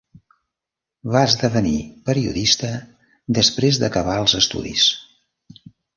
Va esdevenir periodista després d'acabar els estudis.